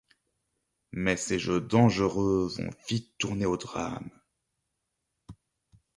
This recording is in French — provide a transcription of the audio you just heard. Mais ces jeux dangereux vont vite tourner au drame...